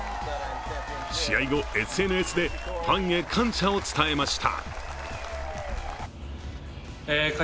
試合後、ＳＮＳでファンヘ感謝を伝えました。